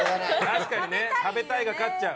確かにね食べたいが勝っちゃう。